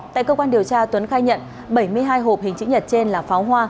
tại cơ quan điều tra tuấn khai nhận bảy mươi hai hộp hình chữ nhật trên là pháo hoa